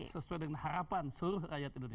sesuai dengan harapan seluruh rakyat indonesia